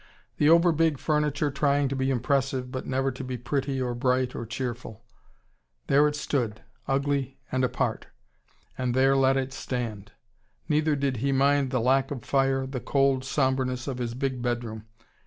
The over big furniture trying to be impressive, but never to be pretty or bright or cheerful. There it stood, ugly and apart. And there let it stand. Neither did he mind the lack of fire, the cold sombreness of his big bedroom.